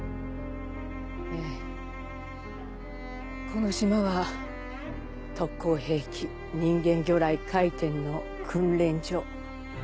この島は特攻兵器人間魚雷「回天」の訓練所。